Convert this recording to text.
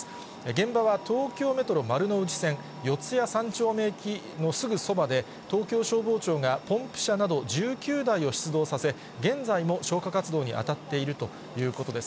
現場は東京メトロ丸ノ内線四谷三丁目駅のすぐそばで、東京消防庁がポンプ車など１９台を出動させ、現在も消火活動に当たっているということです。